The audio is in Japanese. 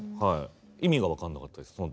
意味が分かんなかったです。